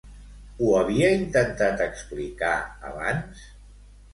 Ho havia intentat explicar abans?